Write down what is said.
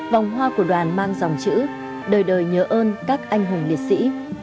vòng hoa của đoàn mang dòng chữ đời đời nhớ ơn các anh hùng liệt sĩ